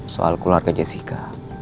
soal keluarga jessica